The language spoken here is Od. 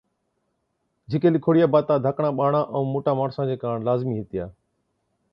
جھِڪي لِکوڙِيا باتا ڌاڪڙان ٻاڙان ائُون موٽان ماڻسان چي ڪاڻ لازمِي هِتِيا